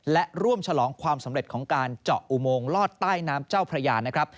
และร่วมฉลองความสำเร็จของการเจาะอุโมงลอดใต้น้ำเจ้าพระยานะครับ